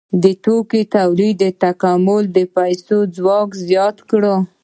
د توکو تولید تکامل د پیسو ځواک زیات کړ.